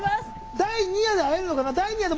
「第２夜」で会えるのかな。